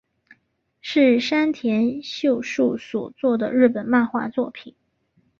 是山田秀树所作的日本漫画作品。